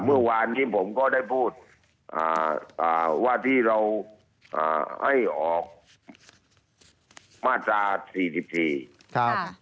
เมื่อวานนี้ผมก็ได้พูดว่าที่เราให้ออกมาตรา๔๔ครับ